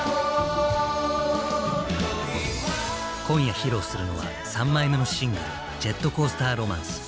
今夜披露するのは３枚目のシングル「ジェットコースター・ロマンス」。